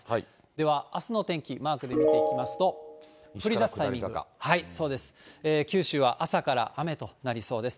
ではあすの天気、マークで見ていきますと、降りだすタイミングが、九州は朝から雨となりそうです。